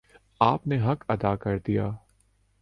آپ نے حق ادا کر دیا